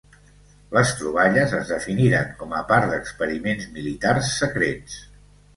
Les troballes es definiren com a part d'experiments militars secrets.